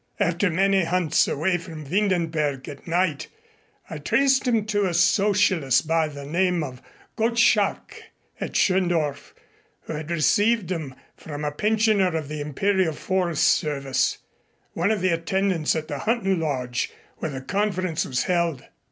After many hunts away from Windenberg at night, I traced 'em to a Socialist by the name of Gottschalk at Schöndorf, who had received 'em from a pensioner of the Imperial Forest Service, one of the attendants at the huntin' lodge where the conference was held.